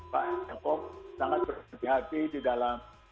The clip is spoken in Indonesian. pak jakob sangat bersati hati di dalam